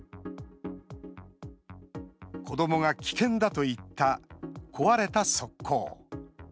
子どもが危険だと言った壊れた側溝。